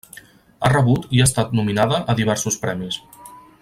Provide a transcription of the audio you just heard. Ha rebut i ha estat nominada a diversos premis.